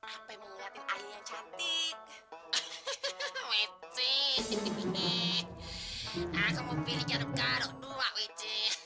hai apa yang mengganti airnya cantik wejj ini aku memilih garuk garuk dua wejj